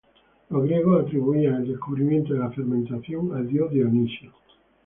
Los griegos atribuían el descubrimiento de la fermentación al dios Dionisio.